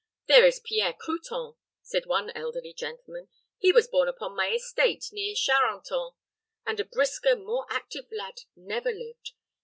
"There is Pierre Crouton," said one elderly gentleman. "He was born upon my estate, near Charenton, and a brisker, more active lad never lived.